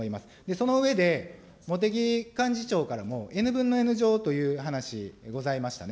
その上で、茂木幹事長からも、Ｎ分のＮ乗という話ございましたね。